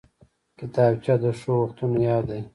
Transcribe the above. کتابچه د ښو وختونو یاد دی